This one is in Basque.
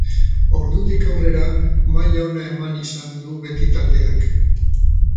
Ordutik aurrera maila ona eman izan du beti taldeak.